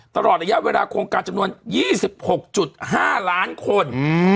ตลอดระยะเวลาโครงการจำนวน๒๖๕ล้านคน